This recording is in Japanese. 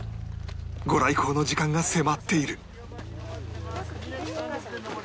御来光の時間が迫っている